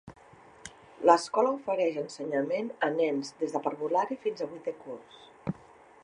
L'escola ofereix ensenyament a nens des de parvulari fins a vuitè curs.